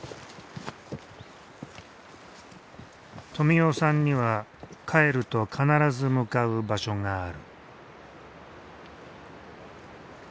富男さんには帰ると必ず向かう場所がある。